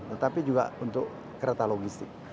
tetapi juga untuk kereta logistik